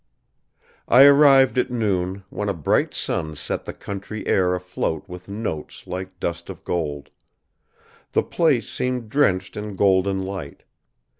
I arrived at noon, when a bright sun set the country air afloat with motes like dust of gold. The place seemed drenched in golden light.